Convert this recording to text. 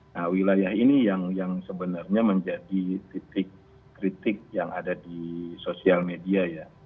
nah wilayah ini yang sebenarnya menjadi titik kritik yang ada di sosial media ya